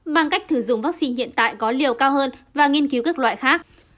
mang cách thử dụng vaccine hiện tại có liều cao hơn và nghiên cứu các loại khác